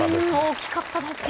大きかったですね。